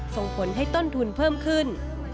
ส่งผลให้ต้นทุนเพิ่มขึ้น